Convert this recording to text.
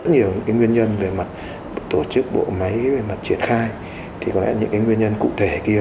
rất nhiều những cái nguyên nhân về mặt tổ chức bộ máy về mặt triển khai thì có lẽ những cái nguyên nhân cụ thể kia